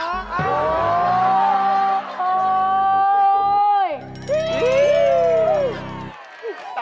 โอ้โห